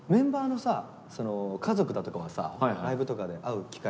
家族だとかはさライブとかで会う機会